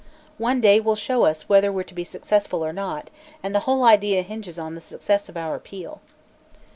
One day will show us whether we're to be successful or not, and the whole idea hinges on the success of our appeal."